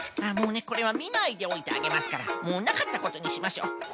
もうねこれはみないでおいてあげますからもうなかったことにしましょう。